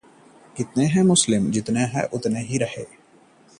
गुजरातः किसानों की कर्जमाफी के लिए कांग्रेस ने किया हाइवे जाम